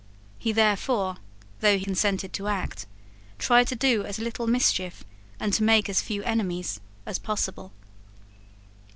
He therefore, though he consented to act, tried to do as little mischief, and to make as few enemies, as possible.